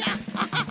ハハハ！